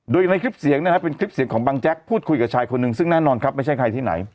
โดยในคลิปเสียงเป็นคลิปเสียงของบังแจ๊กพูดคุยกับชายคนหนึ่งซึ่งแน่นอนครับไม่ใช่ใครที่ไหน